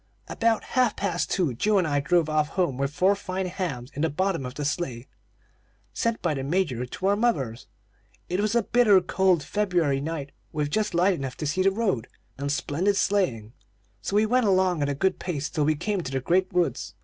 "About half past two, Joe and I drove off home with four fine hams in the bottom of the sleigh, sent by the Major to our mothers. It was a bitter cold February night, with just light enough to see the road, and splendid sleighing; so we went along at a good pace, till we came to the great woods.